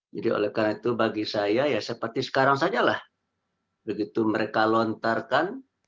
jadi oleh karena itu bagi saya seperti sekarang saja begitu mereka lontarkan